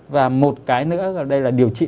và một cái nữa đây là điều trị